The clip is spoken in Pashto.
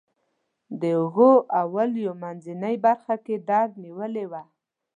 د اوږو او ولیو منځنۍ برخه یې درد نیولې وه.